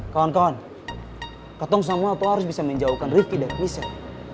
kawan kawan katong samuel itu harus bisa menjauhkan rifki dari missel